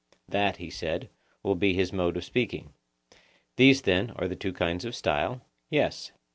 That, he said, will be his mode of speaking. These, then, are the two kinds of style? Yes.